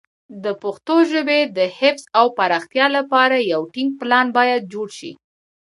د پښتو ژبې د حفظ او پراختیا لپاره یو ټینګ پلان باید جوړ شي.